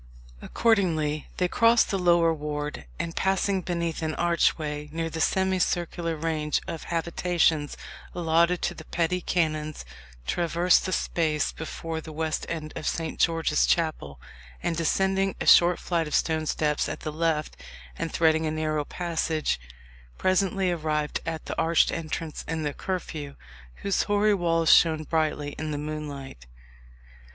Accordingly they crossed the lower ward, and passing beneath an archway near the semicircular range of habitations allotted to the petty canons, traversed the space before the west end of Saint George's Chapel, and descending a short flight of stone steps at the left, and threading a narrow passage, presently arrived at the arched entrance in the Curfew, whose hoary walls shone brightly in the moonlight.